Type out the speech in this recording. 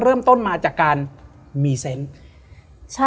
และยินดีต้อนรับทุกท่านเข้าสู่เดือนพฤษภาคมครับ